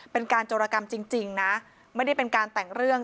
เป็นการโจรกรรมจริงนะไม่ได้เป็นการแต่งเรื่อง